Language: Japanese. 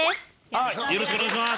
よろしくお願いします